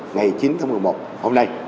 ngày chín tháng một mươi một hôm nay